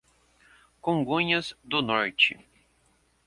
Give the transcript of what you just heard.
Congonhas do Norte